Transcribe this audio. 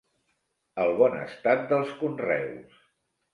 El bon estat dels conreus.